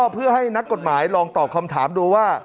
เพื่อให้นักกฎหมายลองตอบคำถามดูว่า